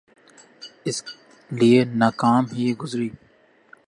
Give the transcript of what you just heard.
اس لئے ناکام ہی گزری۔